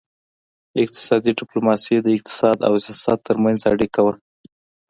اقتصادي ډیپلوماسي د اقتصاد او سیاست ترمنځ اړیکه ده